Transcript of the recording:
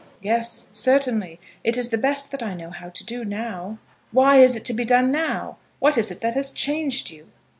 "Yes, certainly. It is the best that I know how to do now." "Why is it to be done now? What is it that has changed you?"